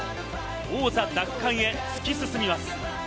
王座奪還へ突き進みます。